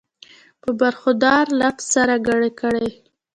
پۀ برخوردار لفظ سره کړی دی